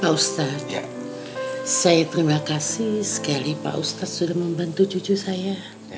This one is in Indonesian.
pak ustadz saya terima kasih sekali pak ustadz sudah membantu cucu saya